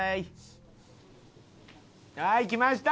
はい来ました！